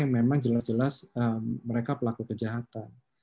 yang memang jelas jelas mereka pelaku kejahatan